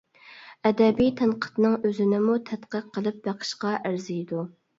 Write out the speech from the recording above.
ئەدەبىي تەنقىدنىڭ ئۆزىنىمۇ تەتقىق قىلىپ بېقىشقا ئەرزىيدۇ.